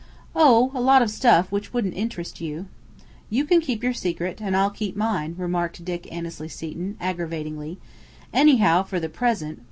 "Oh! A lot of stuff which wouldn't interest you!" "You can keep your secret. And I'll keep mine," remarked Dick Annesley Seton, aggravatingly. "Anyhow, for the present.